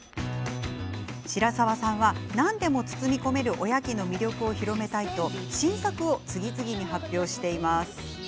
白澤さんは何でも包み込めるおやきの魅力を広めたいと新作を次々に発表しています。